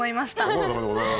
ご苦労さまでございます。